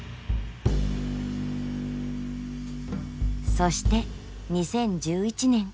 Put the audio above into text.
そして２０１１年。